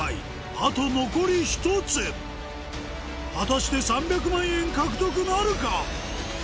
あと残り１つ果たして３００万円獲得なるか？